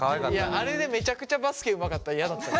あれでめちゃくちゃバスケうまかったら嫌だったもん。